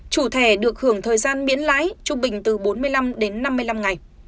chủ thẻ được hưởng thời gian miễn lãi trung bình từ bốn mươi năm đến năm mươi năm ngày